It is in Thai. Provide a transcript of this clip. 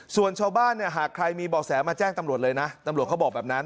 ส่วนชาวบ้านเนี่ยหากใครมีบ่อแสมาแจ้งตำรวจเลยนะตำรวจเขาบอกแบบนั้น